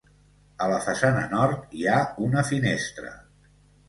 A la façana Nord hi ha una finestra.